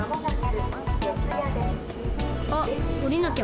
あっおりなきゃ。